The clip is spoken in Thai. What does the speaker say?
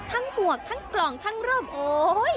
ทั้งหวกทั้งกล่องทั้งร่มโอ้โฮ